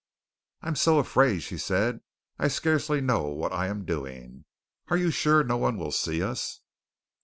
"I'm so afraid," she said, "I scarcely know what I am doing. Are you sure no one will see us?"